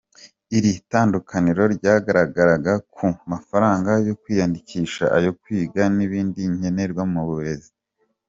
Iri tandukaniro ryagaragaraga ku mafaranga yo kwiyandikisha, ayo kwiga n’ibindi nkenerwa mu burezi.